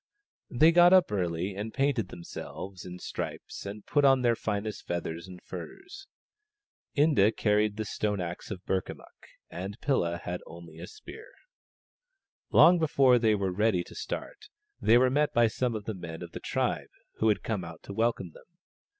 They got up early and painted themselves in stripes and put on their finest feathers and furs. Inda carried the stone axe of Burkamukk, and Pilla had only a spear. Long before they were ready to start they were met by some of the men of the tribe who had come out to welcome them.